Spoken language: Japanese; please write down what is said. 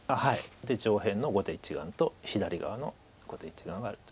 上辺の後手１眼と左側の後手１眼があると。